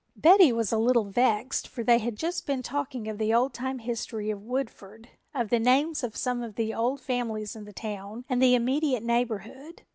Betty was a little vexed, for they had just been talking of the old time history of Woodford, of the names of some of the old families in the town and the immediate neighborhood.